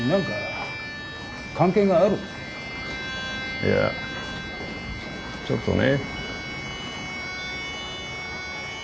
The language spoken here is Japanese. いやちょっとね。